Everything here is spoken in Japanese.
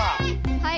はい。